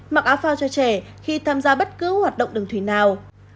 mặc áo phao cho trẻ khi tham gia bất cứ hoạt động đường thủy nào